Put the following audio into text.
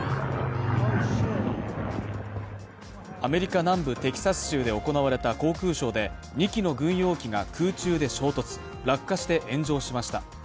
アメリカ南部テキサス州で行われた航空ショーで２機の軍用機が空中で衝突、落下して炎上しました。